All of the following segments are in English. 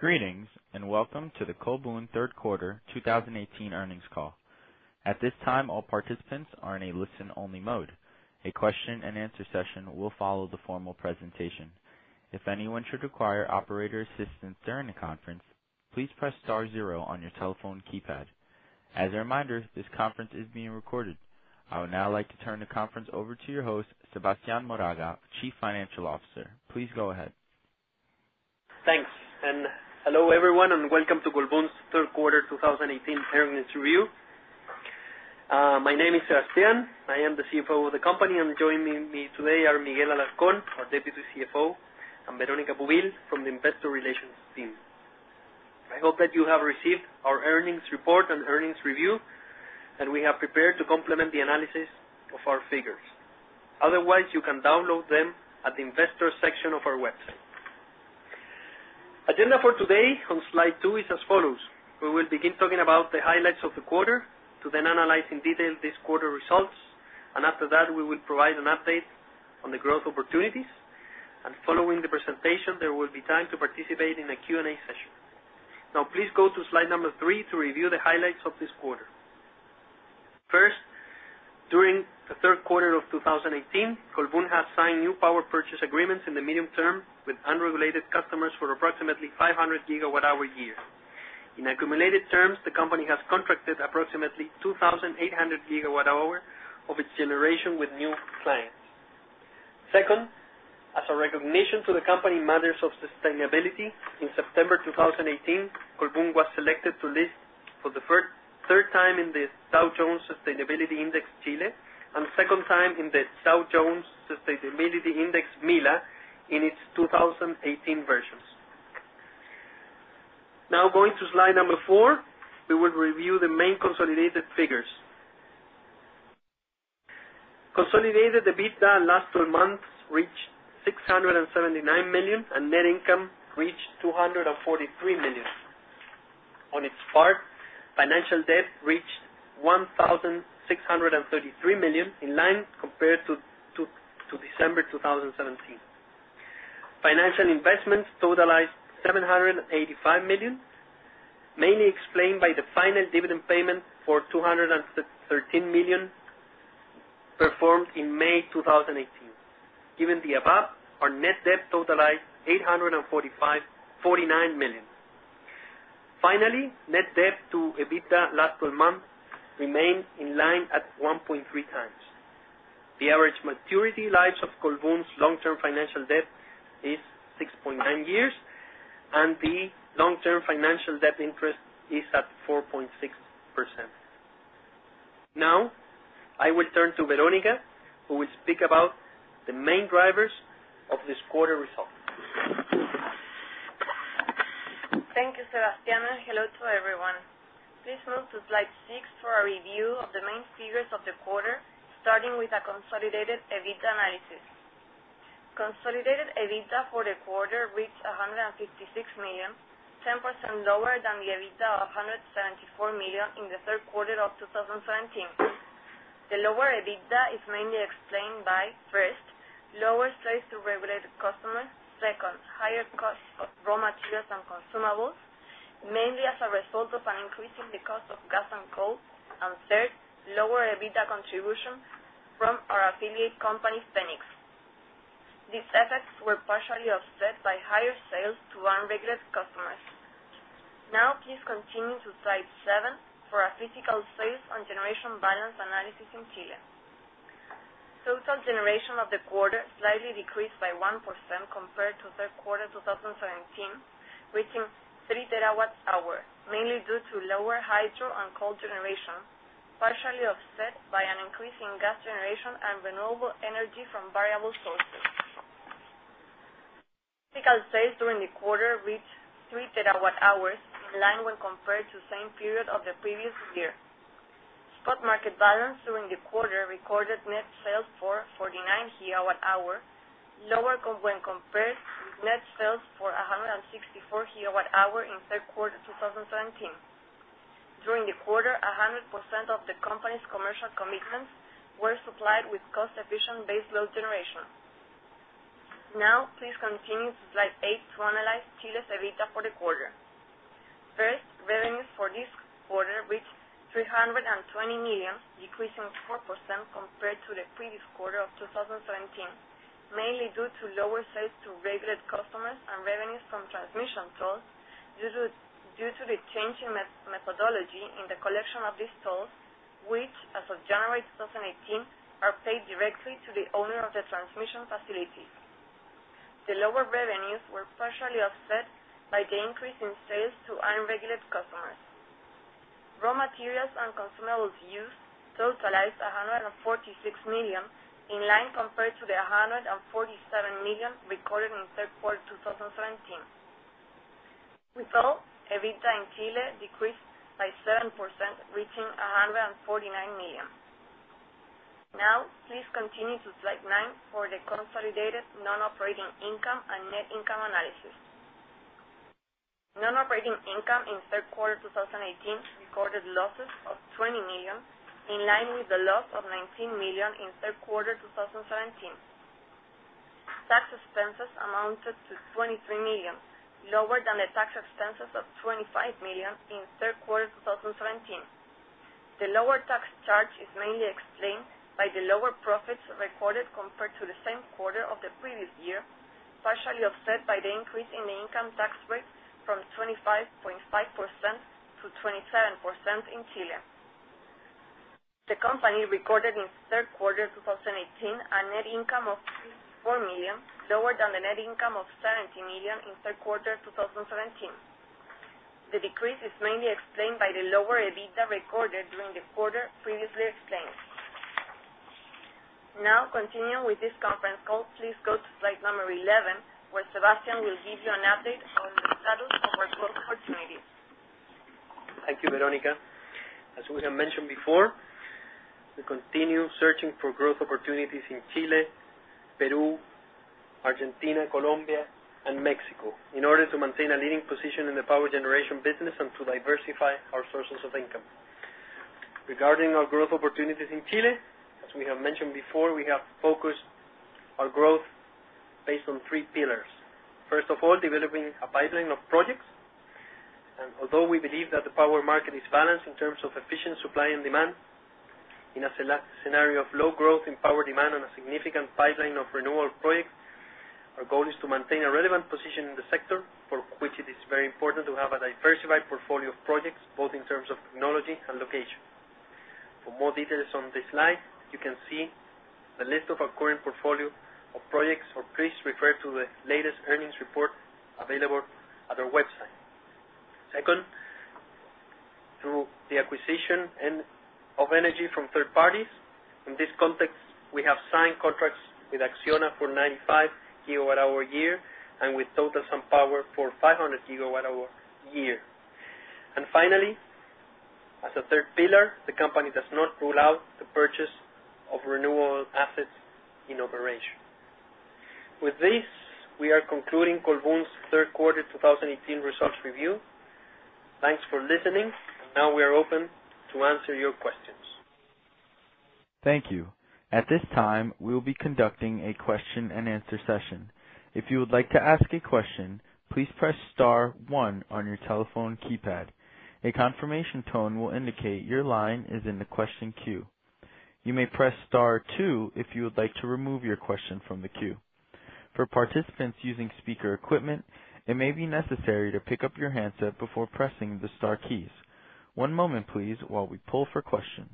Greetings, and welcome to the Colbún third quarter 2018 earnings call. At this time, all participants are in a listen-only mode. A question-and-answer session will follow the formal presentation. If anyone should require operator assistance during the conference, please press star zero on your telephone keypad. As a reminder, this conference is being recorded. I would now like to turn the conference over to your host, Sebastián Moraga, Chief Financial Officer. Please go ahead. Thanks, and hello, everyone, and welcome to Colbún's third quarter 2018 earnings review. My name is Sebastián. I am the CFO of the company, and joining me today are Miguel Alarcón, our Deputy CFO, and Verónica Pubill from the Investor Relations team. I hope that you have received our earnings report and earnings review that we have prepared to complement the analysis of our figures. Otherwise, you can download them at the investor section of our website. Agenda for today on slide two is as follows. We will begin talking about the highlights of the quarter, to then analyze in detail this quarter results, and after that, we will provide an update on the growth opportunities, and following the presentation, there will be time to participate in a Q&A session. Please go to slide number three to review the highlights of this quarter. First, during the third quarter of 2018, Colbún has signed new power purchase agreements in the medium term with unregulated customers for approximately 500 gigawatt-hour a year. In accumulated terms, the company has contracted approximately 2,800 gigawatt-hour of its generation with new clients. Second, as a recognition to the company matters of sustainability, in September 2018, Colbún was selected to list for the third time in the Dow Jones Sustainability Index Chile, and second time in the Dow Jones Sustainability MILA Pacific Alliance Index in its 2018 versions. Going to slide number four, we will review the main consolidated figures. Consolidated EBITDA last 12 months reached $679 million, and net income reached 243 million. On its part, financial debt reached 1,633 million, in line compared to December 2017. Financial investments totalize 785 million, mainly explained by the final dividend payment for 213 million performed in May 2018. Given the above, our net debt totalized 849 million. Finally, net debt to EBITDA last 12 months remained in line at 1.3 times. The average maturity lives of Colbún's long-term financial debt is 6.9 years, and the long-term financial debt interest is at 4.6%. I will turn to Verónica, who will speak about the main drivers of this quarter result. Thank you, Sebastián, and hello to everyone. Please move to slide six for a review of the main figures of the quarter, starting with a consolidated EBITDA analysis. Consolidated EBITDA for the quarter reached $156 million, 10% lower than the EBITDA of $174 million in the third quarter of 2017. The lower EBITDA is mainly explained by, first, lower sales to regulated customers, second, higher costs of raw materials and consumables, mainly as a result of an increase in the cost of gas and coal, and third, lower EBITDA contribution from our affiliate company, Fenix. These effects were partially offset by higher sales to unregulated customers. Please continue to slide seven for a physical sales and generation balance analysis in Chile. Total generation of the quarter slightly decreased by 1% compared to third quarter 2017, reaching three terawatts hour, mainly due to lower hydro and coal generation, partially offset by an increase in gas generation and renewable energy from variable sources. Physical sales during the quarter reached three terawatt-hours, in line when compared to same period of the previous year. Spot market balance during the quarter recorded net sales for 49 gigawatt-hour, lower when compared with net sales for 164 gigawatt-hour in third quarter 2017. During the quarter, 100% of the company's commercial commitments were supplied with cost-efficient base load generation. Please continue to slide eight to analyze Chile's EBITDA for the quarter. First, revenues for this quarter reached $320 million, decreasing 4% compared to the previous quarter of 2017, mainly due to lower sales to regulated customers and revenues from transmission tolls due to the change in methodology in the collection of these tolls, which, as of January 2018, are paid directly to the owner of the transmission facilities. The lower revenues were partially offset by the increase in sales to unregulated customers. Raw materials and consumables used totalized $146 million, in line compared to the $147 million recorded in third quarter 2017. With all, EBITDA in Chile decreased by 7%, reaching $149 million. Please continue to slide nine for the consolidated non-operating income and net income analysis. Non-operating income in third quarter 2018 recorded losses of $20 million, in line with the loss of $19 million in third quarter 2017. Tax expenses amounted to $23 million, lower than the tax expenses of $25 million in Q3 2017. The lower tax charge is mainly explained by the lower profits recorded compared to the same quarter of the previous year, partially offset by the increase in the income tax rate from 25.5% to 27% in Chile. The company recorded in Q3 2018 a net income of $64 million, lower than the net income of $70 million in Q3 2017. The decrease is mainly explained by the lower EBITDA recorded during the quarter previously explained. Continuing with this conference call, please go to slide number 11, where Sebastián will give you an update on the status of our growth opportunities. Thank you, Verónica. As we have mentioned before, we continue searching for growth opportunities in Chile, Peru, Argentina, Colombia, and Mexico in order to maintain a leading position in the power generation business and to diversify our sources of income. Regarding our growth opportunities in Chile, as we have mentioned before, we have focused our growth based on three pillars. First of all, developing a pipeline of projects. Although we believe that the power market is balanced in terms of efficient supply and demand, in a scenario of low growth in power demand and a significant pipeline of renewable projects, our goal is to maintain a relevant position in the sector, for which it is very important to have a diversified portfolio of projects, both in terms of technology and location. For more details on this slide, you can see the list of our current portfolio of projects, or please refer to the latest earnings report available at our website. Second, through the acquisition of energy from third parties. In this context, we have signed contracts with Acciona for 95 gigawatt hour a year and with Total SunPower for 500 gigawatt hour a year. Finally, as a third pillar, the company does not rule out the purchase of renewable assets in operation. With this, we are concluding Colbún's third quarter 2018 results review. Thanks for listening, and now we are open to answer your questions. Thank you. At this time, we will be conducting a question and answer session. If you would like to ask a question, please press star one on your telephone keypad. A confirmation tone will indicate your line is in the question queue. You may press star two if you would like to remove your question from the queue. For participants using speaker equipment, it may be necessary to pick up your handset before pressing the star keys. One moment, please, while we pull for questions.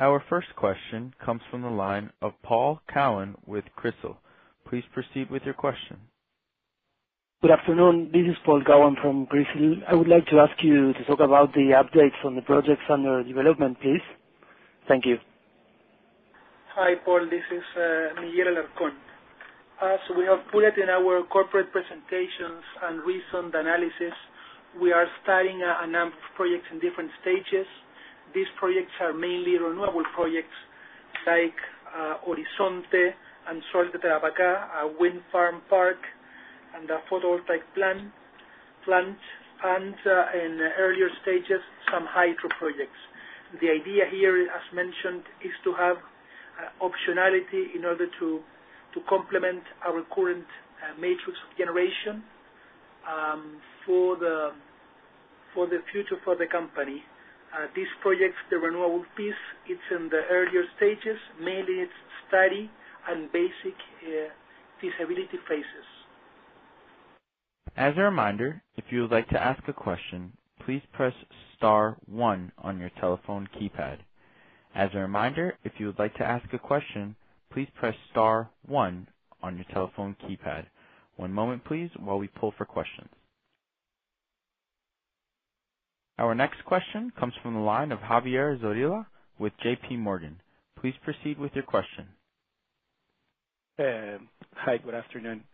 Our first question comes from the line of Paul Cowan with CRISIL. Please proceed with your question. Good afternoon. This is Paul Cowan from Credicorp Capital. I would like to ask you to talk about the updates on the projects under development, please. Thank you. Hi, Paul. This is Miguel Alarcón. As we have put it in our corporate presentations and recent analysis, we are starting a number of projects in different stages. These projects are mainly renewable projects like Horizonte and Sol de Tarapacá, a wind farm park, and a photovoltaic plant, and in the earlier stages, some hydro projects. The idea here, as mentioned, is to have optionality in order to complement our current matrix of generation, for the future for the company. These projects, the renewable piece, it's in the earlier stages. Mainly, it's study and basic feasibility phases. As a reminder, if you would like to ask a question, please press star one on your telephone keypad. As a reminder, if you would like to ask a question, please press star one on your telephone keypad. One moment, please, while we pull for questions. Our next question comes from the line of Javier Zorrilla with JPMorgan. Please proceed with your question. Hi, good afternoon.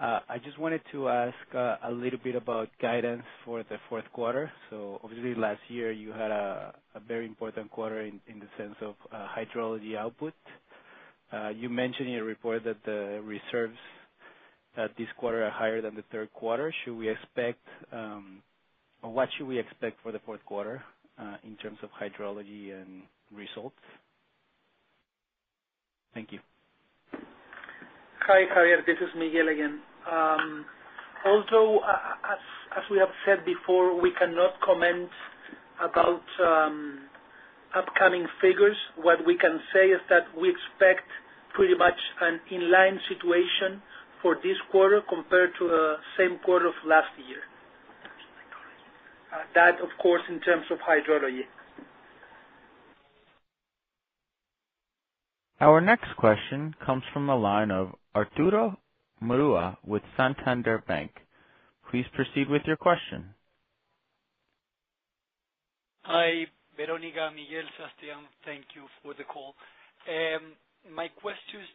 I just wanted to ask a little bit about guidance for the fourth quarter. Obviously, last year you had a very important quarter in the sense of hydrology output. You mentioned in your report that the reserves this quarter are higher than the third quarter. What should we expect for the fourth quarter in terms of hydrology and results? Thank you. Hi, Javier. This is Miguel again. Although, as we have said before, we cannot comment about upcoming figures. What we can say is that we expect pretty much an in-line situation for this quarter compared to the same quarter of last year. That, of course, in terms of hydrology. Our next question comes from the line of Arturo Murúa with Santander Bank. Please proceed with your question. Hi, Verónica, Miguel, Sebastián. Thank you for the call. My question is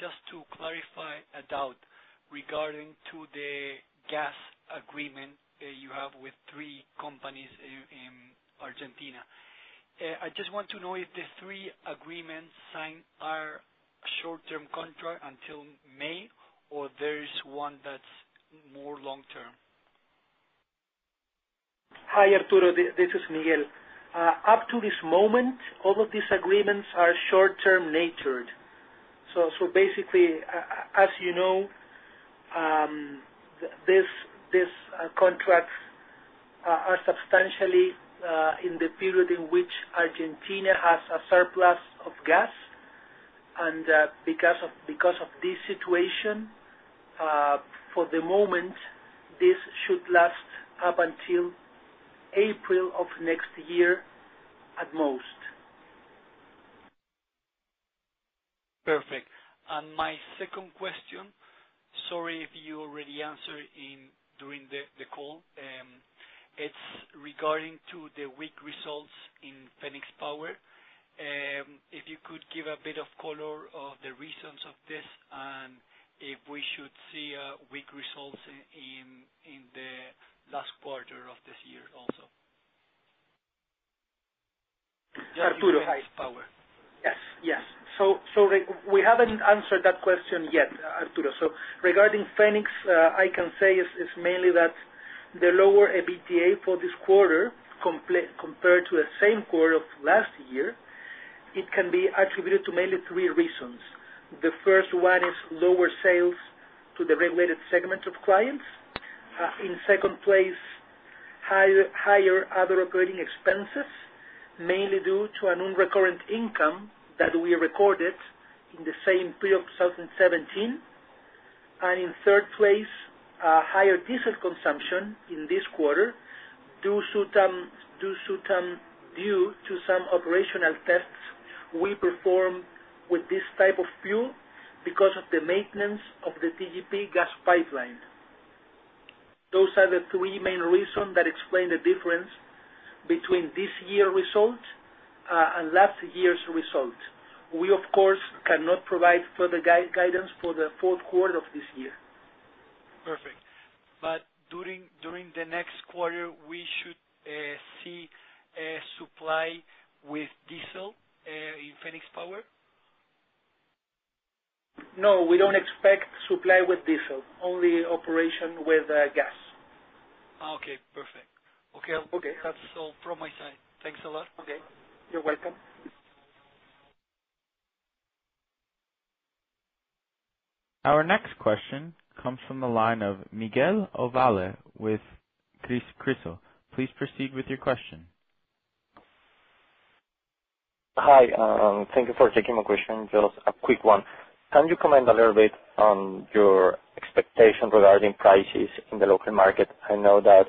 just to clarify a doubt regarding to the gas agreement that you have with three companies in Argentina. I just want to know if the three agreements signed are a short-term contract until May, or there is one that's more long-term? Hi, Arturo. This is Miguel. Up to this moment, all of these agreements are short-term-natured. Basically, as you know, these contracts are substantially in the period in which Argentina has a surplus of gas. Because of this situation, for the moment, this should last up until April of next year at most. Perfect. My second question, sorry if you already answered during the call. It's regarding to the weak results in Fenix Power. If you could give a bit of color of the reasons of this and if we should see weak results in the last quarter of this year also. Arturo. Fenix Power. Yes. We haven't answered that question yet, Arturo. Regarding Fenix Power, I can say it is mainly that the lower EBITDA for this quarter compared to the same quarter of last year, it can be attributed to mainly three reasons. The first one is lower sales to the regulated segment of clients. In second place, higher other operating expenses, mainly due to a non-recurrent income that we recorded in the same period of 2017. In third place, higher diesel consumption in this quarter due to some operational tests we performed with this type of fuel because of the maintenance of the TGP gas pipeline. Those are the three main reasons that explain the difference between this year's results and last year's results. We, of course, cannot provide further guidance for the fourth quarter of this year. Perfect. During the next quarter, we should see a supply with diesel in Fenix Power? No, we don't expect supply with diesel. Only operation with gas. Okay, perfect. Okay. That's all from my side. Thanks a lot. Okay. You're welcome. Our next question comes from the line of Miguel Ovalle with CRISIL. Please proceed with your question. Hi, thank you for taking my question. Just a quick one. Can you comment a little bit on your expectation regarding prices in the local market? I know that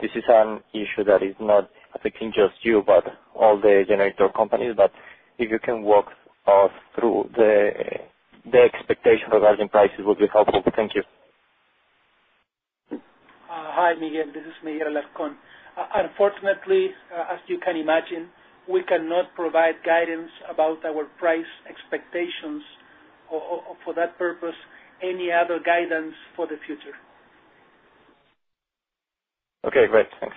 this is an issue that is not affecting just you, but all the generator companies. If you can walk us through the expectation regarding prices, it would be helpful. Thank you. Hi, Miguel. This is Miguel Alarcón. Unfortunately, as you can imagine, we cannot provide guidance about our price expectations, or for that purpose, any other guidance for the future. Okay, great. Thanks.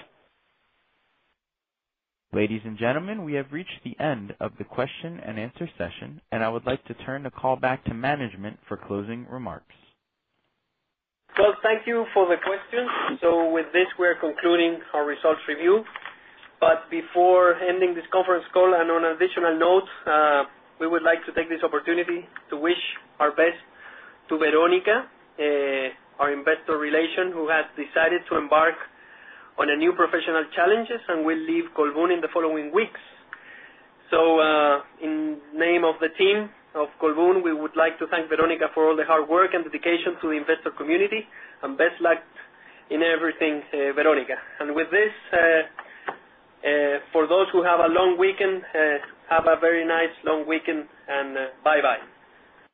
Ladies and gentlemen, we have reached the end of the question and answer session, and I would like to turn the call back to management for closing remarks. Well, thank you for the questions. With this, we are concluding our results review. Before ending this conference call and on an additional note, we would like to take this opportunity to wish our best to Verónica, our investor relation, who has decided to embark on new professional challenges and will leave Colbún in the following weeks. In the name of the team of Colbún, we would like to thank Verónica for all the hard work and dedication to the investor community, and best luck in everything, Verónica. With this, for those who have a long weekend, have a very nice long weekend, and bye-bye.